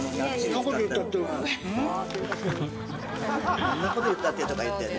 そんなこと言ったってとか言ってるよ。